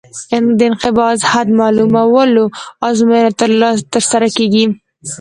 د انقباض حد معلومولو ازموینه ترسره کیږي